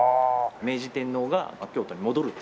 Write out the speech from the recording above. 明治天皇が京都に戻る。